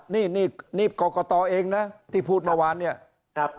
นี่นี่นี่เกาะเกาะตอเองนะที่พูดเมื่อวานเนี่ยครับ